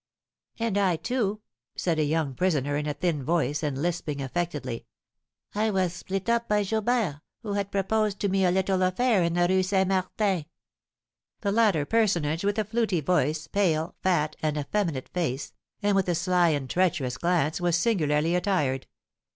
"And I, too," said a young prisoner, in a thin voice, and lisping affectedly. "I was split upon by Jobert, who had proposed to me a little affair in the Rue St. Martin." The latter personage, with a fluty voice, pale, fat, and effeminate face, and with a sly and treacherous glance, was singularly attired.